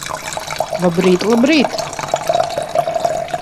Labrīt, labrīt!